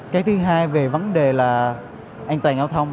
cái thứ hai về vấn đề là an toàn giao thông